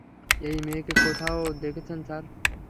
এই মেয়েকে কোথাও দেখেছেন, স্যার?